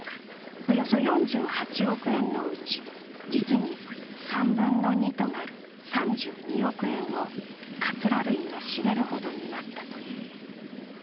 およそ４８億円のうち実に３分の２となる３２億円をかつら類が占めるほどになったという。